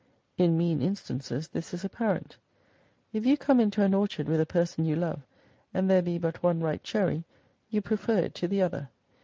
In mean instances this is apparent. If you come into an orchard with a person you love, and there be but one ripe cherry you prefer it to the other.